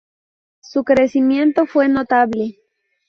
Su crecimiento fue notable.